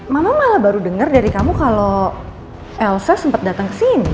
mama malah baru dengar dari kamu kalau elsa sempat datang ke sini